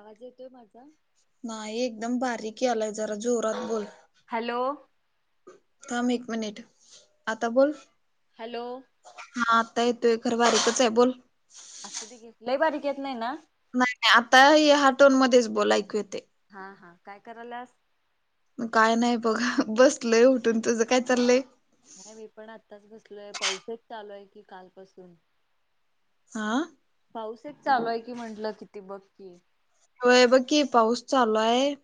आवाज येतोय माझा नाही एकदम बारीक आलाय जरा जोरात बोल हॅलो. थम एक मिनिट आता बोल हॅलो. हा आता येतोय घर बारीकच आहे बोल. असुदे घे लई बारीक येत नाहीय ना? नाही नाही आता ह हाटोण मध्येच बोला ऐकू येते. हा, हा काय करायल्यास? काय नाही बघा बसलय उठून तुझं काय चाललंय नाही मी पण आत्ताच बसलोय पाऊसच चालू आहे की कालपसून. हा. पाऊस एक चालूय की म्हंटलं किती बघकी होय बकी पाऊस चालू आहे.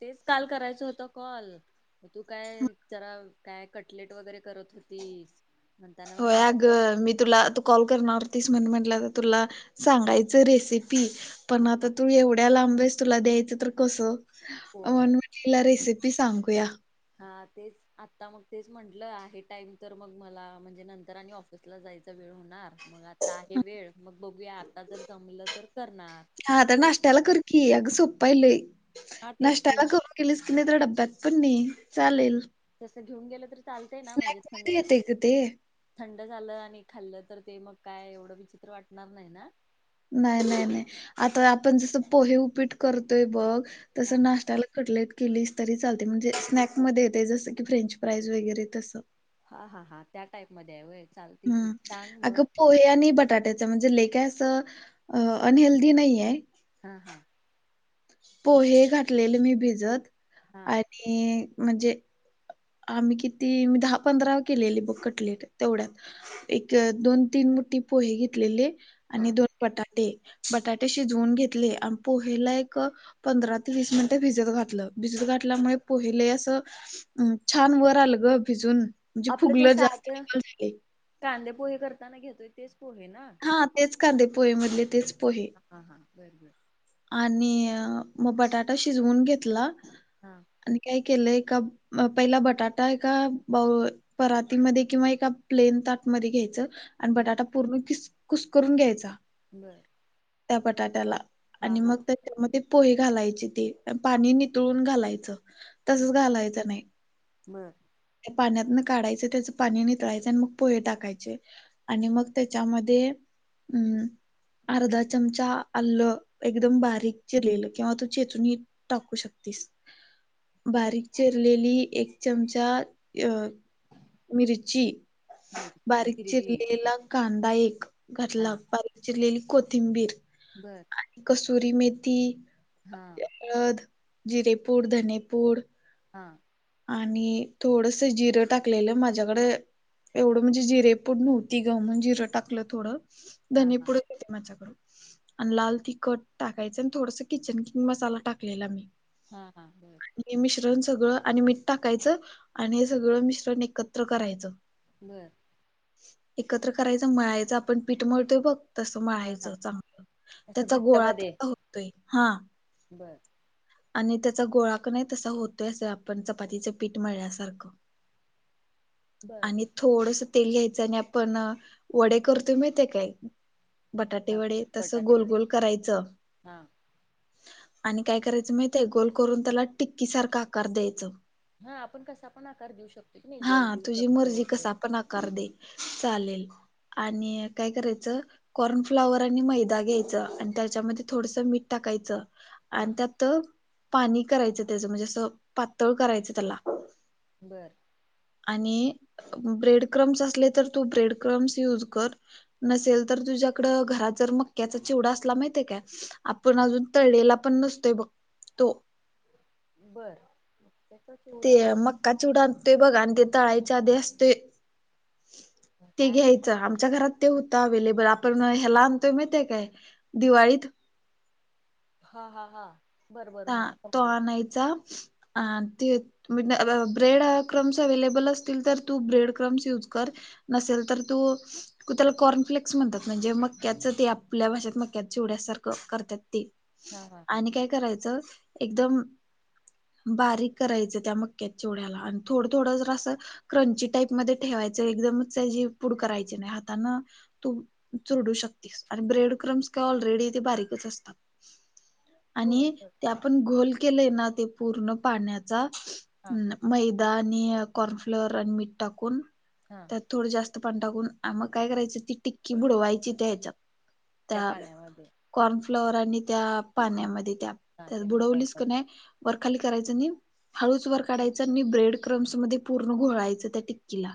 तेच काल करायचं होतं कॉल. तर तू काय जरा काय कटलेट वगैरे करत होतीस. म्हणताना मग म्हंटलं कस. तु कल करणार म्ह तुला सांगयच रेसीपी. पण हा आता तू एवढ्या लांबेस तुला द्यायचं तर कसं होय म्हण तिला रेसिपी सांगूया. हा तेच. आता मग तेच म्हंटलं आहे टाइम तर मग मला म्हणजे नंतर आणि ऑफिसला जायचा वेळ होणार. मग आता आहे वेळ मग बघूया आता जर जमलं तर करणार हा आता ते नाश्त्याला कर कि अग सोपय लई हा तेच नष्टा की मग. केलीस कि नाही डब्यात पण नाही चालेल. तसं घेऊन गेलं तररी चालतंय ना म्हणजे स्नॅक्स मध्ये थंडी. येते ग ते. थंड झालं आणि खाल्लं तर ते मग काय एवढं विचित्र वाटणार नाही ना. नाही नाही नाही आता आपण जस पोहे उपीट करतोय बघ तस हा. नाश्त्याला. कटलेट किलीस तरी चालते म्हणजे स्नॅक मध्ये येते जसं की फ्रेंच फ्राईज वगैरे तसं. हा हा हा त्या टाईप मध्ये आहे वय चाल त गीत हम्म टांग अगं मग. पोहे आणि बटाट्याच म्हणजे ले काय असं अनहेल्दीी नाही आहे. हा हा. पोहे घातलेले मी भिजत हा आणि म्हणजे. आम्ही किती मी दहा पंधरा केलेली बुक कटली तेवढ्यात. एक दोन तीन मोठ पोहे घेतलेले आणि हा. दोन. बटाटे बटाटे शिजवून घेतले आणि पोहेला एक. पंधरा ते वीस मिनिटे भिजत घातलं भिजत घातल्यामुळे पहिले असं. छान वर आलं ग भिजून म्हणजे आपलं ते फुगल जास्त साधं वल झाले. कांदे पोहे करताना घेतोय तेच पोहे ना. हा तेच कांदे पोहेमधले तेच पोहे. हा हा बरं बरं. आणि मग बटाटा शिजवून घेतला. हा. आणि काय केलंय का पहिला बटाटा आहे का बा. परातीमध्ये किंवा एका प्लेन ताटमध्ये घ्यायचं. आणि हम्म बटाटा पूर्ण किस कुस करून घ्यायचा. बरं, त्या बटाट्याला, आणि मग त्यामध्ये, पोहे घालायचे ते पाणी नितळून घालायचं, तसच घालायचं नाही. बरं, पाण्यातन काढायचं, त्याचं पाणी नितळायचं, आणि मग पोहे टाकायचे. आणि मग, त्याच्यामध्ये अम् अर्धा चमचा अल्लं, एकदम बारीक चिरलेलं किंवा तो चेचून टाकू शकतीस. [inaudible] बारीक चिरलेली, एक चमचा अ मिरची, मिरची बारीक हिरवी चिरलेला कांदा एक. हा घातला, बारीक चिरलेली कोथिंबीर. बरं, आणि, कसुरी मेथी, हा, हळद, जिरेपूड, धनेपूड, हां, आणि थोडस, जिरं टाकलेलं माझ्याकडे एवढं म्हणजे, जिरेपूड नव्हती ग म्हणून जिरं टाकलं थोडं, हा हा धनेपुड, येते, माझ्याकडे आणि, लाल तीखट टाकायचं, आणि थोडस किचन किंग मसाला टाकलेला मी. हा, हा, बर, हे मिश्रण सगळं, आणि मीठ टाकायचं, आणि हे सगळं मिश्रण एकत्र करायचं. बरं, एकत्र करायचं, मळायच आपण पीठ मळतोय बघ. तस हा हा मळायचं, चांगलं असं त्याचा गोळा तयार होतोय, हा. बरं, आणि, त्याचा गोळा कनीनाही तसा होतोय, अस आपण चपातीच पीठ मळल्यासारखं. बर आणि थोडस तेल घ्यायचं, आणि आपण वडे करतोय माहितेय काय? बटाटे हा वडे, तसं बटाटे वडे गोलगोल करायचं. हा आणि काय करायचं माहीतीय आहे, गोल करून त्याला टिक्कीसारखा आकार द्यायचं. हा, आपण कसा पण आकार देऊ शकतो, की नाही गोल हा बील, तुझी मर्जी कसा पण आकार दे, चालेल आणि काय करायचं. कॉर्नफ्लावर आणि मैदा घ्यायच, आणि त्याच्यामध्ये थोडसं मीठ टाकायचं. हा आणि, त्यात पाणी करायचं त्याचं, म्हणजे असं पातळ करायचं त्याला. बरं, आणि, ब्रेड क्रम्स असले तर, तू ब्रेड क्रम्स यूज कर. नसेल तर, तुझ्याकडं घरात जर मक्याचा चिवडा असला, माहितीय काय. आपण, अजून तळेला पण नसतोय बघ तो. बरं, ते, मक्का चिवडा आणतोय बघ, आणि ते तळाईच्या आधी असतोय. ते काय आठ- घ्याय - चा आमच्या घरात, ते होत अव्हेलेबल, आपण ह्या ल आणतोय माहितीय काय दिवाळीत. हा, हा, हा, बर बर हा तो, समजलं आणायचा अ ते ब्रेड क्रम्स अव्हेलेबल, असतील तर तू ब्रेड क्रम्स युज कर. नसेल, तर तू कु त्याला, कॉर्नफ्लेक्स म्हणतात, म्हणजे मक्याचं ते आपल्या भाषेत मक्या चेवड्यासारखं करतात ते. हा हा हा आणि काय करायचं, एकदम बारीक करायचं, त्या मक्क्याच्या चिवड्याला, आणि थोडं थोडं जड असं. क्रंची टाईप मध्ये ठेवायचं, एकदमच त्याची पुड करायची नाही हातान. तू चुडू शकतेस, आणि ब्रेड क्रम्स काय ऑलरेडी ते बारीकच असतात. [inaudible] आणि होय ते, आपण घोल केलंय ना ते, पूर्ण पाण्याचा हा अ मैदा, आणि कॉर्नफ्लवर, आणि मीठ टाकून, हा, त्यात थोडं जास्त पाण टाकून, आ मग काय करायचं ती टिक्की बुडवायची हच्यात, त्या, कॉर्नफ्लॉवर आणि त्या पाण्यामध्ये, त्या हा त्या बुडवलीस मिश्रणमध्ये कनाय, वरखाली करायचं आणि हळूच वर काढायचं, आणि ब्रेड क्रम्स मध्ये पूर्ण घोळायचं, त्या टिक्कीला.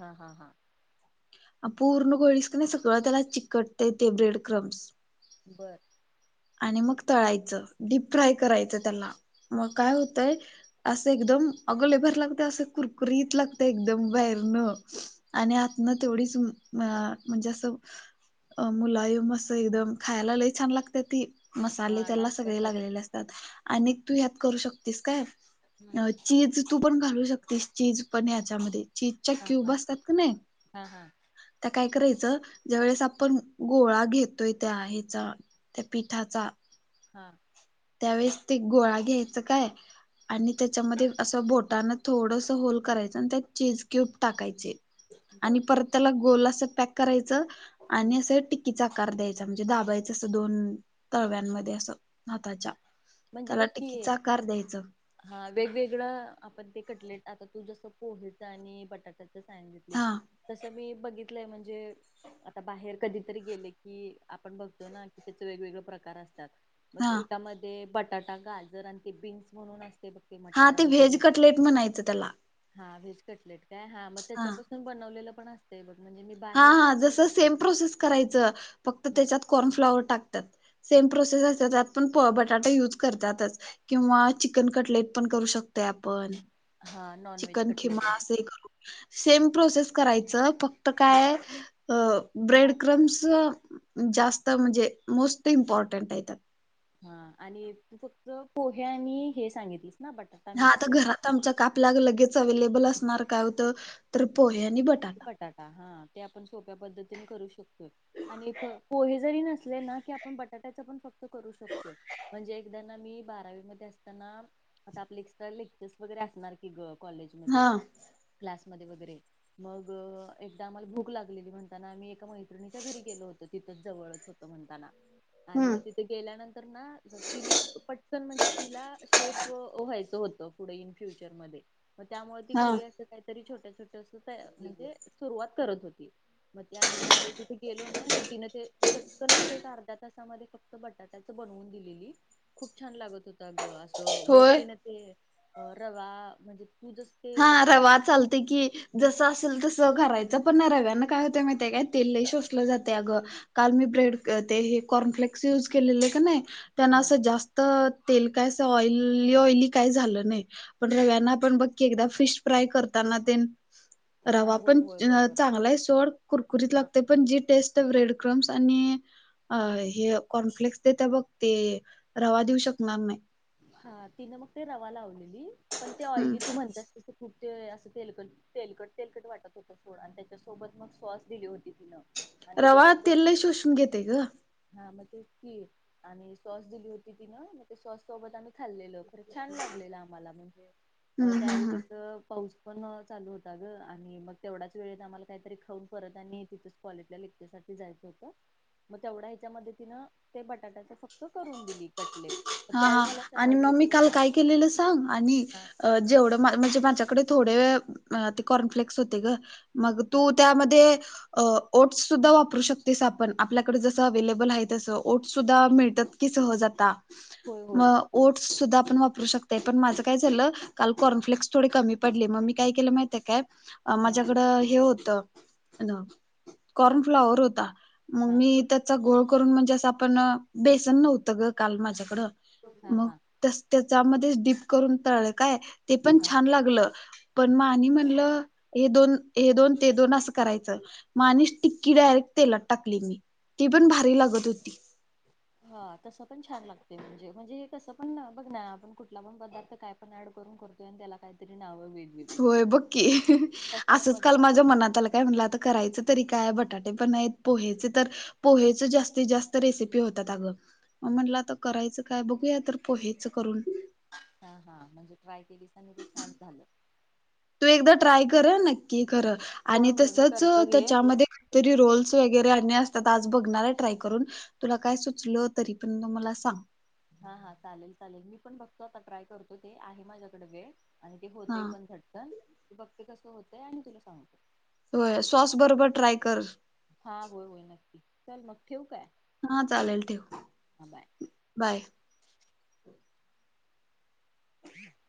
हा, हा, हा, पूर्ण घोळीस का नाही, सगळं त्याला चिकटतय, ते ब्रेड क्रम्स, बरं, आणि मग, तळायचं डीप फ्राय करायचंत्याला, मग काय होतंय, असं एकदम अग लईभारी लागत, असं कुरकुरीत लागतं, एकदम बाहेरनं, आणि आतन, तेवढीच अ म्हणजे असं, मुलायम असं एकदम, खायला लई छान लागत्या ती. मसाले हा त्याला सगळे नाश्त्यासाठी लागलेले, असतात आणि तू ह्यात करू शकतेस काय, हम्म अ चीज, तू पण घालू शकतेस, चीज पण याच्यामध्ये, चीजच्या हा क्यूब हा असतात का नाही, हा, हा, त्या काय करायचं, ज्या वेळेस आपण गोळा घेतोय त्या ह्याचा, त्या पिठाचा, हा, त्यावेळेस ते गोळा घ्यायचं काय, आणि त्याच्यामध्ये असं बोट बोटान थोडंसं होल करायचा, आणि त्यात चीज कि्युब टाकायची आणि, बर त्याला गोल अस, पॅक करायचं हम्म. आणि अस टिकीचा आकार द्यायचा म्हणजे, दाबायच असं दोन तळव्यांमध्ये असं, त्याच्या, हा. म्हणजे बघकि, हा, वेगवेगळं आपण ते कटलेट आता, तू जस कोबिच आणि बटाटा सांगितली, हा तसं मी बघितलंय म्हणजे, आता, बाहेर कधीतरी गेले की आपण बघतो ना, कि त्याच वेगवेगळे प्रकार असतात. मग, हा एकामध्ये बटाटा, गाजर आणि ते बीन्स, म्हणून असतय बघ, हा, मटार ते व्हेज वगैरे कटलेट म्हणायचं त्याला. हा, व्हेज कटलेट काय, हा मग त्याच्यापासून बनवलेलं पण असत बघ म्हणजे, हा, बाहेर हा, खाल्ले. जसं सेम प्रोसेस करायचं, फक्त त्याच्यात कॉर्नफ्लॉवर टाकतात. सेम प्रोसेस असत, त्यात पण प बटाटे यूज करतातच. किंवा, चिकन कटलेट पण करू शकतय आपण. हा नॉन व्हेज चिकन कटलेट खीमा अस, कर सेम प्रोसेस करायच फक्त फक्त काय, ब्रेड क्रमस, जास्त म्हणजे मोस्ट इम्पॉर्टंट आहे त्या- हा आणि तू फक्त पोहे आणि हे सांगितलीस ना हा आता मिक्सर घरात आमच्या कापल्या लगेच अवे्लेबल असणार काय होत तर पोहे आणि बट- बटाटा हा ते आपण सोप्या पद्धतीने करू शकतोय. आणि पोहे जरी नसले ना की आपण बटाट्याच पण फक्त करू शकतोय. म्हणजे एकदा ना मी बारावीमध्येध्ये असताना आता आपले एस्ट लेक्चर्स वगैरे असतात. कि ग कॉलेजमध्ये हा क्लासमध्ये वगैरे, मग एकदा आम्हाला भूक लागलेली म्हणताना आम्ही एका मैत्रिणीच्या घरी गेलो होतो तिथ जवळच होत म्हणताना आणि हम्म मग [inaudible] ते गेल्यानंतर ना तिनं पटकन म्हणजे तिला शेफ व व्हायचं होतं. पुढ इन फ्युचरमध्ये [inaudible] त्यामुळ ती हा घरी असं काय तरी छोट छोट अस तयार म्हणजे सुरुवात करत होती. मग ते आम्ही ज्यावेळी तिथ गेलो ना की तिनं ते चटकन असं एक अर्ध्या तासामध्ये फक्त बटाट्याच बनवून दिलेली. खूप छान लागत होता ग असं वरत होय [inaudible] ने [inaudible] ते रवा म्हणजे तू जस. ते हा [inaudible] वार चालतय की जसं असेल तसं घरायचं पण ना रव्याना काय होत माहितेय काय तेल शोषलं जाते अगं. काल मी ब्रेड ते कॉर्नफ्लेक्स यूज केलेले का नाय त्यांना हा असं जास् तअ तेल काय असं ऑइलइ ऑइली काय झालं नाय पण्यांना आपण बघ. केकदा फिश फ्राय करताना ते हा रवा होय पण होय [inaudible] बरोबर चांगलाय सोड कुरकुरीत हा लागत पण जी टेस्ट [inaudible] ब्रेड क्रम्स आणि-अ अ हे कॉन्फ्लीक्स देतय बघ ते रवा देऊ शकणार नाय. हा तिनं मग ते रवा लावलेली पण ते हम्म ऑइली तू म्हणतस ते खूप ते असं तेलकट तेलकट तेलकट वाटत होतं सोड आणि त्याच्यासोबत मग सॉस दिली होती तिनं आणि रवा गरम तेल गरम लई शोषून घेतंय गं. हा मग ते ती आणि सॉस दिली होती तिनं मग ते सॉस सोबत आम्ही खाल्लेलो तर छान लागलेलं आम्हाला म्हणजे हम्म हम्म त्यावेळी हम्म. कसं. पाऊस पण अ चालू होता ग आणि मग तेवढाच वेळेत आम्हाला काय तरी खाऊन परत आणि तिथंच. कॉलेतल्या लेक्चरसाठी जायचं होत मग तेवढा ह्याच्या मदतीनं ते बटाट्याच फक् त करून दिली कटलेट हा त्यावेळी हा मला आणि समजले मग की मी काल बाबा काय केलेलं सांग आणि हा अ जेवढं म मन म्हणजे माझ्याकडे थोडे [inaudible] ते कॉर्नफ्लेक्स होते ग. मग हा तू त्यामध्ये अ ओट्सुद्धा वापरू शकतेस आपण आपल्याकड जसं अवे्लेबल आहे तसं ओट्सुद्धा मिळत्यात. की सहजता होय म होय ओट्स सुद्धा आपण वापरू शकते पण माझं काय झालं. काल कॉर्नफ्लेक्स थोडी कमी पडलली मग मी काय केलं माहिती ये का? हा माझ्याकडं हे होतं [inaudible] कॉर्न फ्लावर होता. मग हा मी त्याचा गोळ करून म्हणजे असं आपण अ बेसन नव्हतं ग काल माझ्याकडं मग [unintelligible] तस त्याच्यामध्ये डीप करून तळलं काय ते पण हा छान लागलं. पण मानी म्हणलं हे दोन हे दोन ते दोन असं करायचं. मा आणिस टिक्की डायरेक्ट तेला. त टाकली मी ती पण भारी लागत होती हा तसं पण छान लागते म्हणजे म्हणजे हे कसं पण अ बघ ना आपण कुठला पण पदार्थ काय? पण ऍड करून करतोय आणि त्याला काय तरी नाव दि [inaudible] होय बक्की [unintelligible] असंच मध्ये काल असते. माझ्या मनात आलं. काय म्हटलं आता करायचं तरी काय बटाटे पण नाय त पोहेच तर. पोहेच जास्तीत जास्त रेसिपी होतात अगं. म्हटलं आता करायचं काय बघूया तर पोहायचं करून. अ हा म्हणजे ट्राय केली [unintelligible] ते छान झालं. तू एकदा ट्राय कर अ नक्की कर होय आणि होय मी तसच करतो घे. त्याच्यामध्ये. तरी रोल्स वगैरे अन्य असतात आज बघणार एय ट्राय करून. तुला काय सुचलं तरी पं [unintelligible] मला सांग. हा हा चालेल चालेल मी पण बघतो आता ट्राय करतो ते आहे माझ्याकड वेळ आणि ते हा होतेय पण गट्टन ते बघते कसं होतय आणि तुला सांगतो. होय सॉस बरोबर ट्राय कर. हा होय होय नक्की चल मग ठेवू काय. हा चालेल ठेव हा बाय. बाय. [unintelligible]